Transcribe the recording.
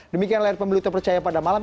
demikian layar pemilu terpercaya pada malam